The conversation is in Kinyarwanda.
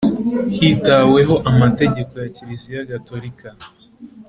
hitaweho amategeko ya Kiliziya Gatolika